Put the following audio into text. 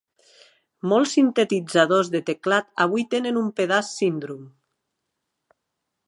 Molts sintetitzadors de teclat avui tenen un pedaç Syndrum.